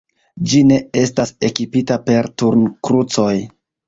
Ĝi ne estas ekipita per turnkrucoj.